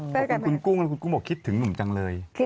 คุณกุ้งบอกคิดถึงหนุ่มจังเลย